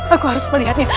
aku harus melihatnya